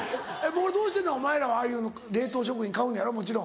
どうしてんのお前らはああいう冷凍食品買うのやろもちろん。